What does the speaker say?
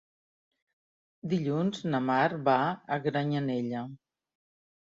Dilluns na Mar va a Granyanella.